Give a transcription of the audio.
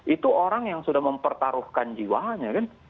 itu orang yang sudah mempertaruhkan jiwanya